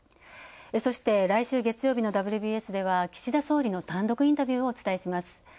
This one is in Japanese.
そして、来週月曜日の「ＷＢＳ」では岸田総理の単独インタビューをお伝えします。